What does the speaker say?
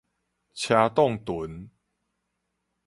車擋脣